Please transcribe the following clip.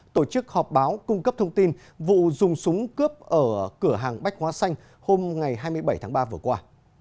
tổ chức họp báo cung cấp thông tin vụ dùng súng cướp ở cửa hàng bách hóa xanh hôm hai mươi bảy tháng ba vừa qua